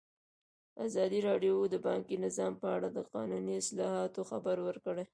ازادي راډیو د بانکي نظام په اړه د قانوني اصلاحاتو خبر ورکړی.